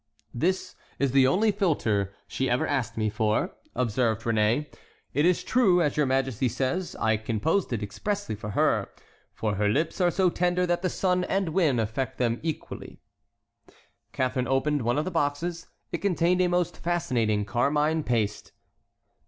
"This is the only philter she ever asked me for," observed Réné; "it is true, as your majesty says, I composed it expressly for her, for her lips are so tender that the sun and wind affect them equally." Catharine opened one of the boxes; it contained a most fascinating carmine paste.